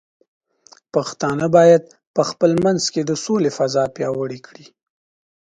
پښتانه بايد په خپل منځ کې د سولې فضاء پیاوړې کړي.